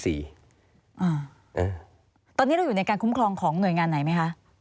ตอนนี้เราอยู่ในการคุ้มครองของหน่วยงานไหนไหมคะ